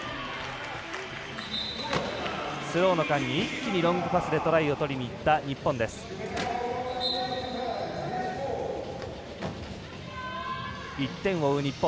スローの間に一気にロングパスでトライを取りにいった日本。